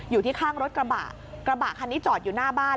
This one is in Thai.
อยู่ที่ข้างรถกระบะกระบะคันนี้จอดอยู่หน้าบ้าน